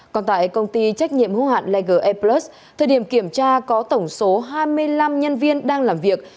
còn tại công ty trách nhiệm hô hạn leger airplus thời điểm kiểm tra có tổng số hai mươi năm nhân viên đang làm việc